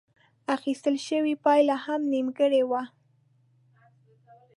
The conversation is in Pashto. اخيستل شوې پايله هم نيمګړې وه.